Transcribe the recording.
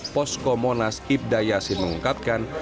posko monas ibda yasin mengungkapkan